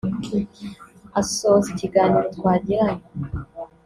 Asoza ikiganiro twagiranye